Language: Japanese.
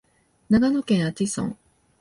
長野県阿智村